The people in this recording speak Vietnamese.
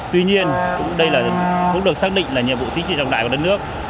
tuy nhiên đây cũng được xác định là nhiệm vụ chính trị trọng đại của đất nước